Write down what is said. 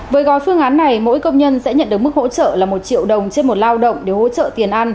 với gói phương án này mỗi công nhân sẽ nhận được mức hỗ trợ là một triệu đồng trên một lao động để hỗ trợ tiền ăn